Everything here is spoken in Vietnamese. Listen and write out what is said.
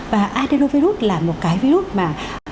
và adeno virus là một cái virus mà